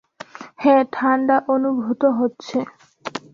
হ্যাঁ, ঠান্ডা অনুভূত হচ্ছে।